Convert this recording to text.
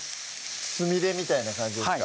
つみれみたいな感じですか？